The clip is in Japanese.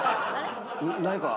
何か？